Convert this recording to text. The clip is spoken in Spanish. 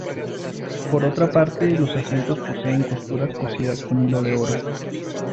Por otra parte, los asientos poseen costuras cosidas con hilo de oro.